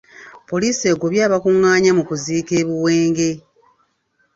Poliisi egobye abakuղղaanye mu kuziika e Buwenge.